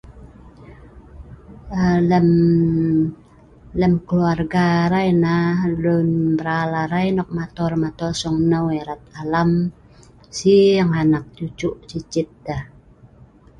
Aa Lem lem keluarga arai nah luen mral alam arai nok matoel matoel sungneu erat alam sing cucu cicit deh